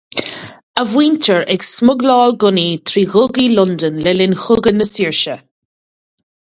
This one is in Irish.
A mhuintir ag smugláil gunnaí trí dhugaí Londain le linn Chogadh na Saoirse.